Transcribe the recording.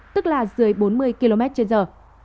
tức là dưới bốn mươi km trên giờ